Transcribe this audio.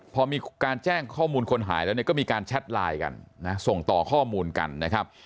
พอมีการแจ้งข้อมูลคนหายแล้วเนี่ยก็มีการแชทไลน์กันนะส่งต่อข้อมูลกันนะครับ